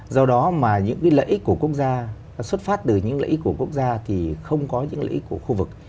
do đó mà những cái lợi ích của quốc gia xuất phát từ những lợi ích của quốc gia thì không có những lợi ích của khu vực